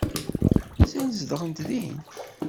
Mazal zedɣent din?